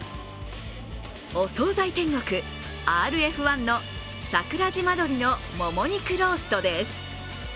お総菜天国、ＲＦ１の桜島どりのもも肉ローストです。